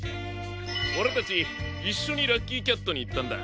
オレたちいっしょにラッキーキャットにいったんだ。